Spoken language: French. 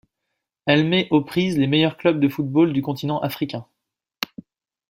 Elle met aux prises les meilleures clubs de football du continent africain.